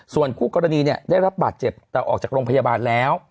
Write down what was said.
ส่วนคู่กรณีเนี่ยได้รับบาดเจ็บแต่ออกจากโรงพยาบาลแล้ว